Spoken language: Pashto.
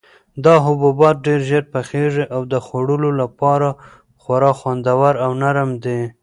دا حبوبات ډېر ژر پخیږي او د خوړلو لپاره خورا خوندور او نرم دي.